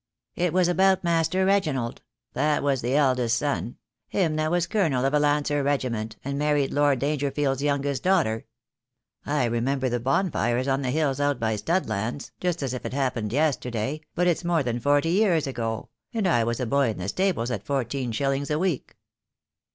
"It was about Master Reginald — that was the eldest son, him that was colonel of a Lancer regiment, and married Lord Dangerfield's youngest daughter. I re member the bonfires on the hills out by Studlands just as if it happened yesterday, but it's more than forty years ago, and I was a boy in the stables at fourteen shillings a week."